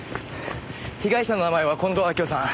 被害者の名前は近藤秋夫さん。